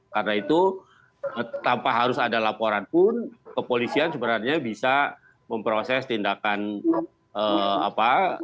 karena itu tanpa harus ada laporan pun kepolisian sebenarnya bisa memproses tindakan apa